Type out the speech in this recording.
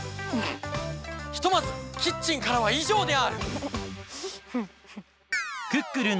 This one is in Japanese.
ひとまずキッチンからはいじょうである！